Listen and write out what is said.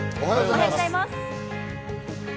おはようございます。